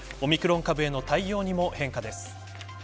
オミクロン株への対応にも変化です。